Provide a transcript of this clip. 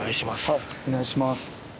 はいお願いします。